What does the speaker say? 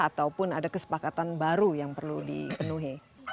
ataupun ada kesepakatan baru yang perlu dipenuhi